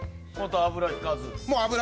油引かずに？